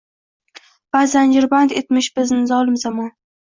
Va zanjirband etmish bizni zolim zamon.